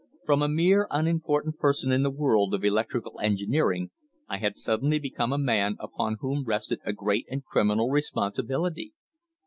From a mere unimportant person in the world of electrical engineering I had suddenly become a man upon whom rested a great and criminal responsibility!